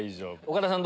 岡田さん